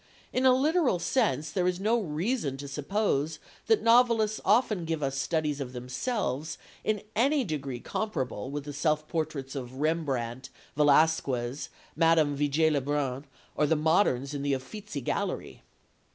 In a literal sense there is no reason to suppose that novelists often give us studies of themselves in any degree comparable with the self portraits of Rembrandt, Velasquez, Madame Vigée le Brun or the moderns in the Uffizi Gallery.